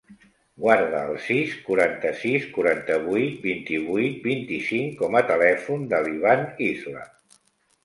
Guarda el sis, quaranta-sis, quaranta-vuit, vint-i-vuit, vint-i-cinc com a telèfon de l'Ivan Isla.